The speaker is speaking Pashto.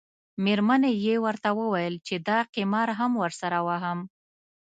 میرمنې یې ورته وویل چې دا قمار هم درسره وهم.